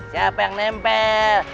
siapa yang nempel